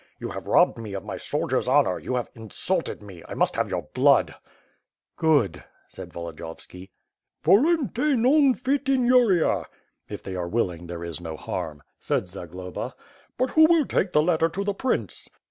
"You have robbed me of my soldier's honor, you have in sulted me, I must have your blood!" "Good," said Volodiyovski. '^Vohnte non fit injuria.^' (If they are willing there is no harm), said Zagloba. "But who will take the letter to the prince?"